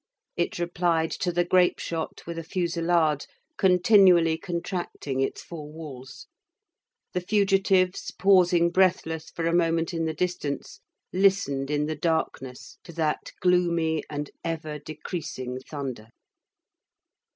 It replied to the grape shot with a fusillade, continually contracting its four walls. The fugitives pausing breathless for a moment in the distance, listened in the darkness to that gloomy and ever decreasing thunder.